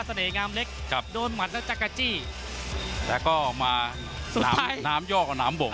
เสน่ห์งามเล็กครับโดนหมัดจักรจี้แล้วก็ออกมาสุดท้ายน้ำยอกน้ำบ่ม